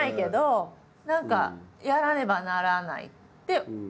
何かやらねばならないって。